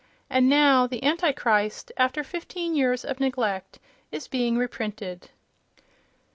And now "The Antichrist," after fifteen years of neglect, is being reprinted....